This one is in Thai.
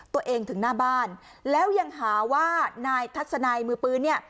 ตัวเองถึงหน้าบ้านแล้วยังหาว่านายทัศนัยมือปืนเนี่ย